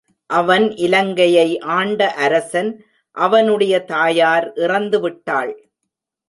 அவன் இலங்கையை ஆண்ட அரசன் அவனுடைய தாயார் இறந்து விட்டாள்.